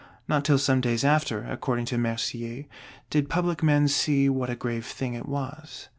Not till some days after, according to Mercier, did public men see what a grave thing it was.